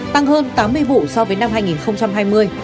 tăng hơn tám mươi vụ so với năm hai nghìn hai mươi